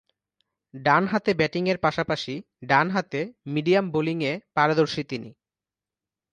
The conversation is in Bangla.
ডানহাতে ব্যাটিংয়ের পাশাপাশি ডানহাতে মিডিয়াম বোলিংয়ে পারদর্শী তিনি।